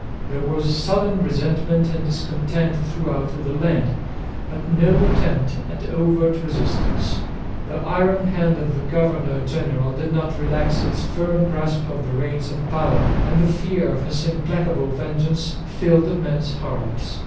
There was sullen resentment and discontent throughout the land, but no attempt at overt resistance. The iron hand of the governor general did not relax its firm grasp of the reins of power, and the fear of his implacable vengeance filled men's hearts.